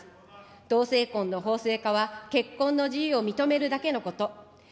同性婚の法制化は結婚の自由を認めるだけのこと。